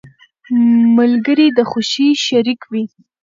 • ملګری د خوښۍ شریك وي.